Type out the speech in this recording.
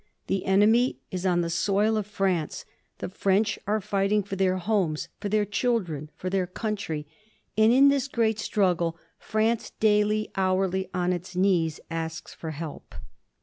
The enemy is on the soil of France. The French are fighting for their homes, for their children, for their country. And in this great struggle France daily, hourly, on its knees asks for help.